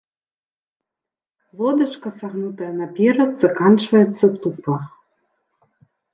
Лодачка сагнутая наперад, заканчваецца тупа.